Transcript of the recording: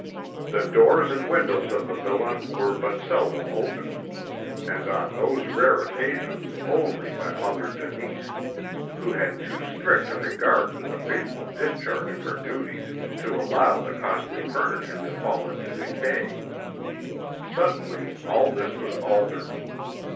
The doors and windows of the villa were but seldom opened, and on those rare occasions only by Mother Denise, who had too strict a regard for the faithful discharge of her duties to allow the costly furniture to fall into decay. Suddenly all this was altered.